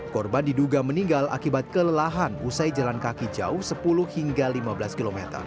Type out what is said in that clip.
korban diduga meninggal akibat kelelahan usai jalan kaki jauh sepuluh hingga lima belas km